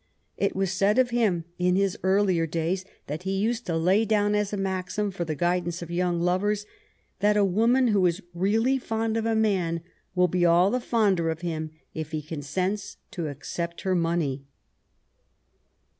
It was said of him in his earlier days that he used to lay down as a maxim for the guidance of young lovers that a woman who is really fond of a man will be all the fonder of him if he consents to accept her money.